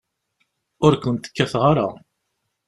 Ur kent-kkateɣ ara.